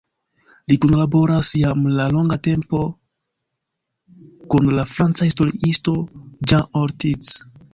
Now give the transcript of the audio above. Li kunlaboras jam de longa tempo kun la franca historiisto Jean Ortiz.